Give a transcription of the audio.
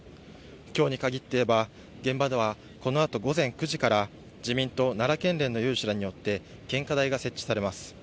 きょうに限って言えば、現場では、このあと午前９時から、自民党奈良県連の有志らによって、献花台が設置されます。